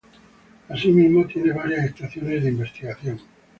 Así mismo, tiene varias estaciones de investigación.